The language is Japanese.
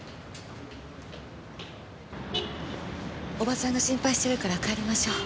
叔母さんが心配してるから帰りましょう。